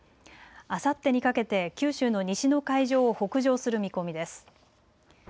あさってにかけて九州の西の海上を北上する見込みです。